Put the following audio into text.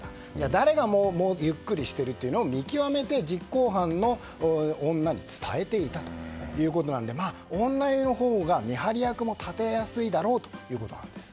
誰がゆっくりしているかを見極め実行犯の女に伝えていたということで女湯のほうが見張り役も立てやすいだろうということなんです。